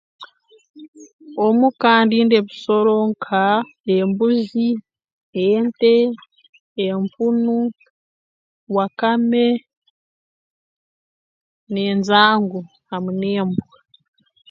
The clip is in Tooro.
Omuka ndinda ebisoro nka embuzi ente empunu wakame n'enjangu hamu n'embwa